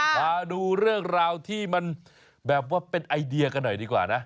มาดูเรื่องราวที่มันแบบว่าเป็นไอเดียกันหน่อยดีกว่านะ